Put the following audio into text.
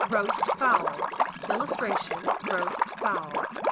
ROAST FOWL. [Illustration: ROAST FOWL.